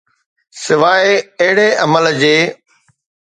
سواءِ اهڙي عمل جي.